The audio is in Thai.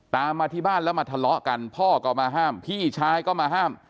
มาที่บ้านแล้วมาทะเลาะกันพ่อก็มาห้ามพี่ชายก็มาห้าม